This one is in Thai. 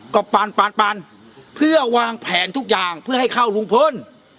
ก็ปันเพื่อวางแผนทุกอย่างเพื่อให้เข้าลุงพล